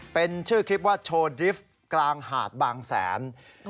เป็นชื่อคลิปว่าโชว์ดริฟต์กลางหาดบางแสน